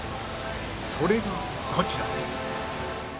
それがこちら